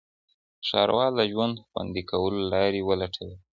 ښاروال د ژوند خوندي کولو لارې ولټولې.